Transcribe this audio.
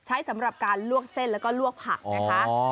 สำหรับการลวกเส้นแล้วก็ลวกผักนะคะ